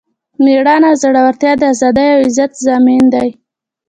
میړانه او زړورتیا د ازادۍ او عزت ضامن دی.